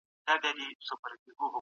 پوهانو اقتصادي پرمختيا تعريف کړې ده.